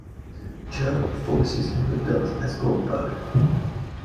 Joe forces and rebuilt as Goldbug.